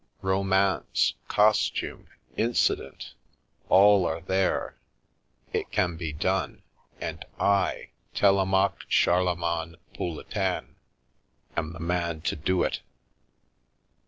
Romance — costume — incident — all are there. It can be done, and I, Telemaque Charlemagne Pouletin, am the man to do it